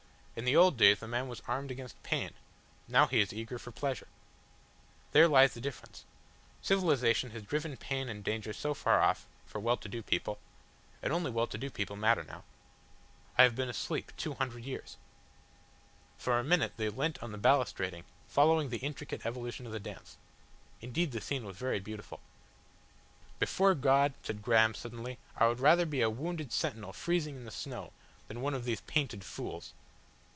In the old days man was armed against Pain, now he is eager for Pleasure. There lies the difference. Civilisation has driven pain and danger so far off for well to do people. And only well to do people matter now. I have been asleep two hundred years." For a minute they leant on the balustrading, following the intricate evolution of the dance. Indeed the scene was very beautiful. "Before God," said Graham, suddenly, "I would rather be a wounded sentinel freezing in the snow than one of these painted fools!"